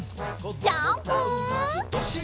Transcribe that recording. ジャンプ！